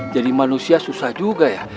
jadi manusia susah juga ya